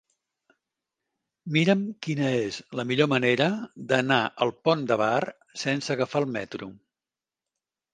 Mira'm quina és la millor manera d'anar al Pont de Bar sense agafar el metro.